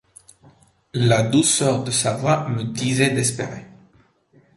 La douceur de sa voix me disait d'espérer.